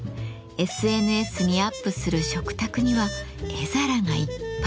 ＳＮＳにアップする食卓には絵皿がいっぱい！